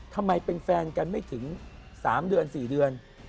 ทำไมเป็นแฟนกันไม่ถึง๓เดือน๔เดือน